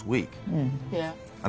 うん。